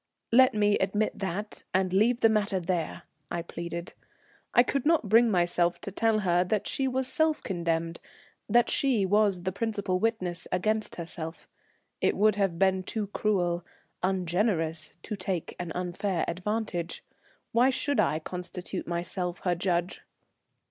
"Let me admit that, and leave the matter there," I pleaded. I could not bring myself to tell her that she was self condemned, that she was the principal witness against herself. It would have been too cruel, ungenerous, to take an unfair advantage. Why should I constitute myself her judge?